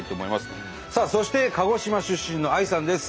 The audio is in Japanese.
さあそして鹿児島出身のＡＩさんです。